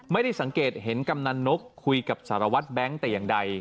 ไม่ได้สังเกตเห็นกำนันนกคุยกับสารวัตรแบงค์แต่อย่างใด